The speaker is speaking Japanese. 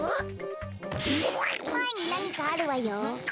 まえになにかあるわよ。